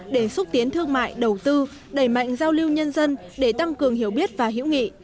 để xúc tiến thương mại đầu tư đẩy mạnh giao lưu nhân dân để tăng cường hiểu biết và hiểu nghị